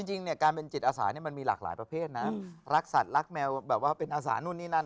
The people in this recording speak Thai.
จริงเนี่ยการเป็นจิตอาสามันมีหลากหลายประเภทนะรักสัตว์รักแมวแบบว่าเป็นอาสานู่นนี่นั่น